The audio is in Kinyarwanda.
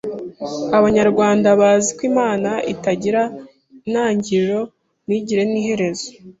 Abanyarwanda bazi ko Imana itagira intangiriro ntigire n’iherezo